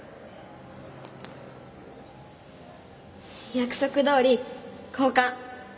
約束どおり交換。